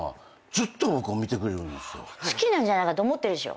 好きなんじゃないかと思ってるでしょ。